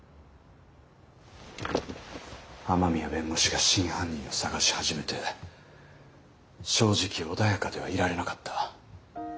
雨宮弁護士が真犯人を捜し始めて正直穏やかではいられなかった。